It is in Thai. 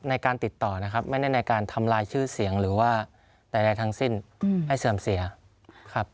ในการติดต่อนะครับไม่ได้ในการทำลายชื่อเสียงหรือว่าใดทั้งสิ้นให้เสื่อมเสียครับ